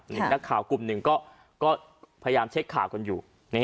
มีนักข่าวกลุ่มหนึ่งก็พยายามเช็คข่าวกันอยู่